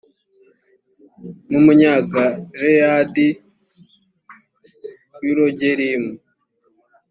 w umunyagaleyadi w i rogelimu